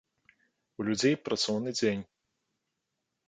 У людзей працоўны дзень.